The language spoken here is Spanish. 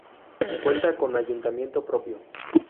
Cuenta con Ayuntamiento propio.